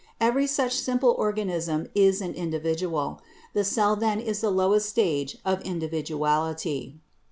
Every such simple organism is an individual. The cell then is the lowest stage of individuality.